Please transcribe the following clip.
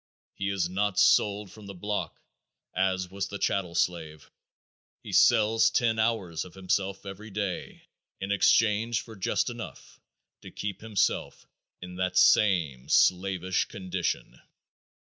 He is not sold from the block, as was the chattel slave. He sells ten hours of himself every day in exchange for just enough to keep himself in that same slavish condition.